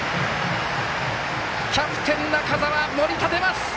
キャプテン、中澤盛り立てます！